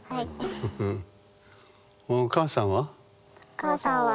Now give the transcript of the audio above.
お母さんは？